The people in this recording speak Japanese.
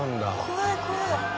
怖い怖い。